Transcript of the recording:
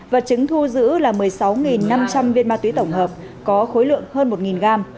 vật chứng thu giữ là một mươi sáu năm trăm linh viên ma túy tổng hợp có khối lượng hơn một gram